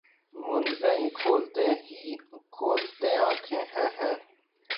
مُند گئیں کھولتے ہی کھولتے آنکھیں ہَے ہَے!